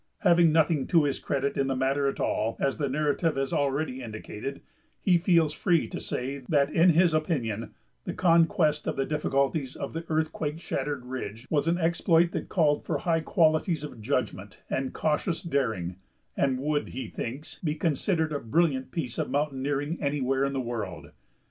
Having nothing to his credit in the matter at all, as the narrative has already indicated, he feels free to say that in his opinion the conquest of the difficulties of the earthquake shattered ridge was an exploit that called for high qualities of judgment and cautious daring, and would, he thinks, be considered a brilliant piece of mountaineering anywhere in the world.